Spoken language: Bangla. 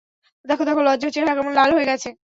দেখো, দেখো লজ্জায় চেহারা কেমন লাল হয়ে গেছে!